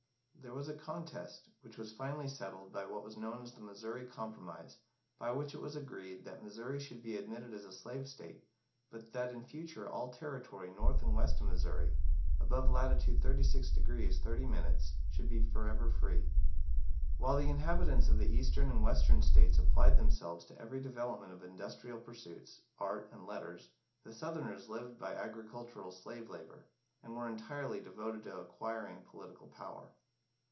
There was a contest, which was finally settled by what was known as the Missouri Compromise, by which it was agreed that Missouri should be admitted as a slave state, but that in future all territory North and West of Missouri, above latitude 36° 30´, should be for ever free. [Illustration: ABRAHAM LINCOLN.] While the inhabitants of the Eastern and Western States applied themselves to every development of industrial pursuits, art, and letters, the Southerners lived by agricultural slave labour, and were entirely devoted to acquiring political power.